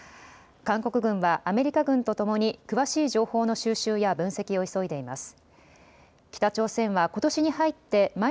韓国軍はアメリカ軍とともに詳しい情報の収集や分析を急いでいます。